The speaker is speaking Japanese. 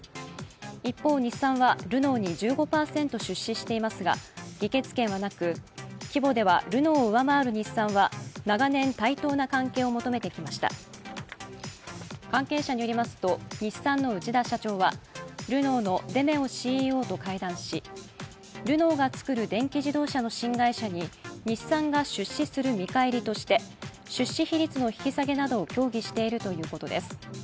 一方、日産はルノーに１５％出資していますが議決権はなく、規模ではルノーを上回る日産は長年、対等な関係を求めてきました関係者によりますと、日産の内田社長はルノーのデメオＣＥＯと会談し、ルノーが作る電気自動車の新会社に日産が出資する見返りとして出資比率の引き下げなどを協議しているということです。